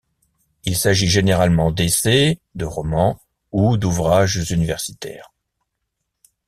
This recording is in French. Il s'agit généralement d'essais, de romans, ou d'ouvrages universitaires.